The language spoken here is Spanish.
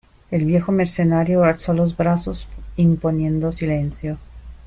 el viejo mercenario alzó los brazos imponiendo silencio: